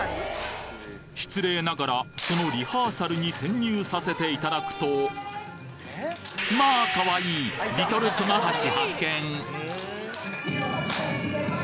失礼ながらそのリハーサルに潜入させていただくとまあかわいいリトル熊八発見！